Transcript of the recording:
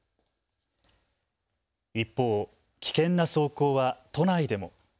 一方、危険な走行は都内でも。